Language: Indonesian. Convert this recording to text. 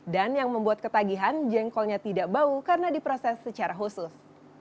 dan yang membuat ketagihan jengkolnya tidak bau karena diproses secara khusus